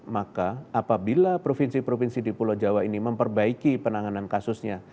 maka apabila provinsi provinsi di pulau jawa ini memperbaiki penanganan kasusnya